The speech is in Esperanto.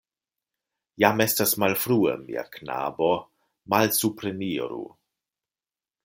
Jam estas malfrue, mia knabo, malsupreniru.